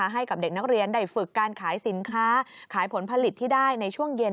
ให้กับเด็กนักเรียนได้ฝึกการขายสินค้า